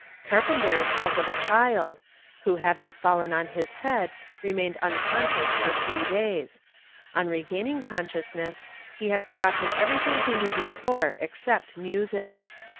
Carpenter tells of a child, who having fallen on his head remained unconscious for three days. On regaining consciousness he had forgotten every thing he knew before except music.